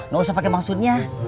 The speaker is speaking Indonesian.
gak usah pakai maksudnya